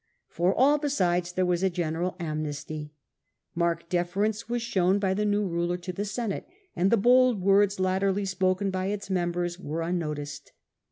For all besides there was a general amnesty. Marked deference was shown by the new ruler to the Senate, and the bold words latterly ,,.,.,_' and to con spoken by its members were unnoticed.